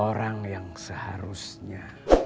orang yang seharusnya